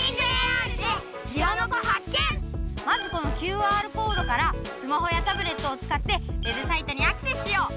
まずこのＱＲコードからスマホやタブレットを使ってウェブサイトにアクセスしよう！